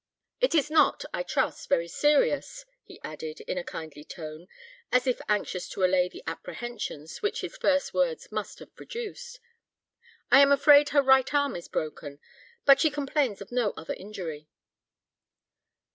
"It is not, I trust, very serious," he added, in a kindly tone, as if anxious to allay the apprehensions which his first words must have produced. "I am afraid her right arm is broken, but she complains of no other injury."